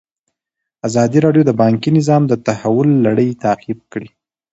ازادي راډیو د بانکي نظام د تحول لړۍ تعقیب کړې.